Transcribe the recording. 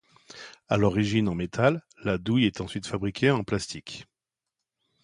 À l’origine en métal, la douille est ensuite fabriquée en plastique.